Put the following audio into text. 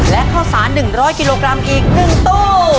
และข้าวสาร๑๐๐กิโลกรัมอีก๑ตู้